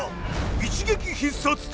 一撃必殺隊